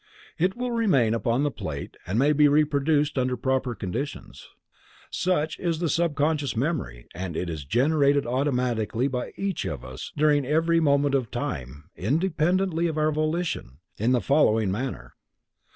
It will remain upon the plate and may be reproduced under proper conditions. Such is the subconscious memory, and it is generated automatically by each of us during every moment of time, independently of our volition, in the following manner.